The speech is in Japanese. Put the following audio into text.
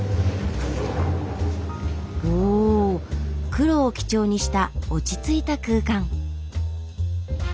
おっ黒を基調にした落ち着いた空間。